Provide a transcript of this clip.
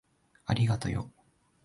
ありがとよ。